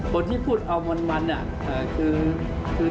คนที่พูดเอามันเนี่ยคือ